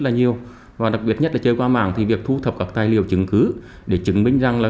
là nhiều và đặc biệt nhất là chơi qua mạng thì việc thu thập các tài liệu chứng cứ để chứng minh rằng là